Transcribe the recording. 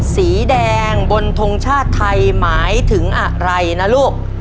สีแดงบนทงชาติไทยหมายถึงอะไรนะลูก